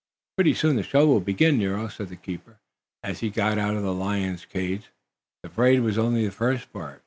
"Pretty soon the show will begin, Nero," said the keeper, as he got out of the lion's cage. "The parade was only the first part.